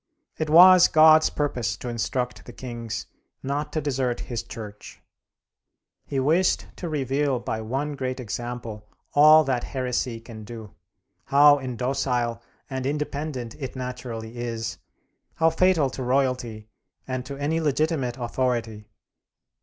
It was God's purpose to instruct the kings not to desert his Church. He wished to reveal by one great example all that heresy can do, how indocile and independent it naturally is, how fatal to royalty and to any legitimate authority.